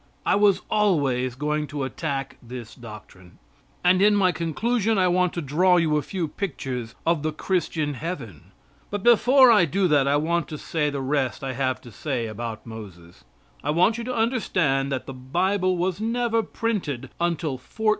I was always going to attack this doctrine. And in my conclusion I want to draw you a few pictures of the Christian heaven. But before I do that I want to say the rest I have to say about Moses. I want you to understand that the Bible was never printed until 1488.